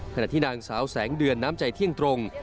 ขณะที่นางสาวแสงเดือนน้ำใจเที่ยงตรง